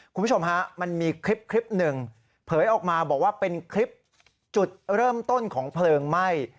คุณผู้ชมฮะมันมีคลิปหนึ่งเผยออกมาบอกว่าเป็นคลิปจุดเริ่มต้นของเพลิงไหม้